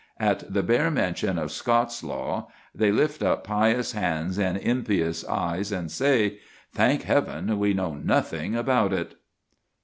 At the bare mention of Scots law they lift up pious hands and impious eyes and say, "Thank Heaven, we know nothing about it!"